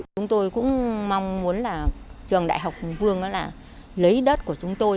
chúng tôi cũng mong muốn là trường đại học hùng vương lấy đất của chúng tôi